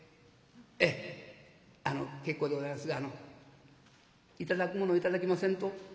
「ええあの結構でございますがあの頂くもの頂きませんと」。